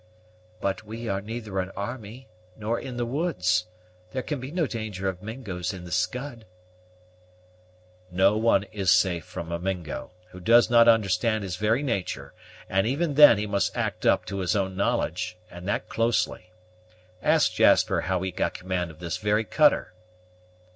"But we are neither an army, nor in the woods. There can be no danger of Mingos in the Scud." "No one is safe from a Mingo, who does not understand his very natur'; and even then he must act up to his own knowledge, and that closely. Ask Jasper how he got command of this very cutter."